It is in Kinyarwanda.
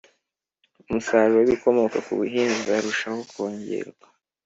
Umusaruro w ibikomoka ku buhinzi uzarushaho kongererwa